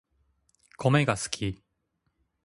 コメが好き